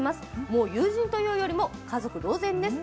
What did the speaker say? もう友人というよりも家族同然です。